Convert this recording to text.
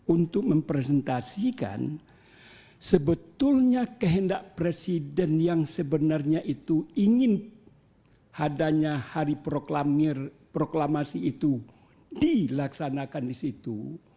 untuk mempresentasikan sebetulnya kehendak presiden yang sebenarnya itu ingin adanya hari proklamasi itu dilaksanakan di situ